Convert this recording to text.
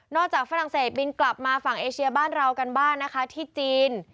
จากฝรั่งเศสบินกลับมาฝั่งเอเชียบ้านเรากันบ้างนะคะที่จีน